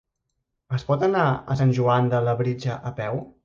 Es pot anar a Sant Joan de Labritja a peu?